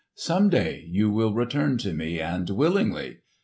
Some day you will return to me, and willingly.